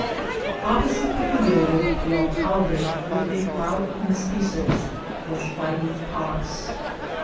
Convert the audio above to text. Oppo site the cabildo the alcalde, with a crowd of Mestitzoes, was fighting cocks.